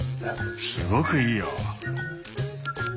すごくいいよ。